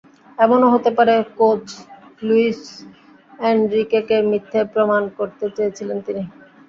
এমনও হতে পারে, কোচ লুইস এনরিকেকে মিথ্যে প্রমাণ করতে চেয়েছিলেন তিনি।